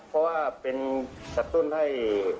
เพราะว่าจะชัดต้นให้